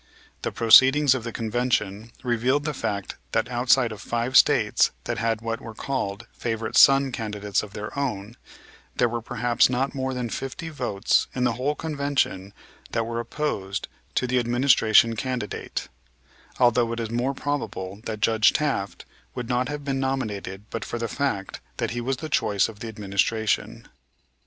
The proceedings of the Convention revealed the fact that outside of five States that had what were called "favorite son" candidates of their own, there were perhaps not more than fifty votes in the whole Convention that were opposed to the administration candidate, although it is more than probable that Judge Taft would not have been nominated but for the fact that he was the choice of the administration.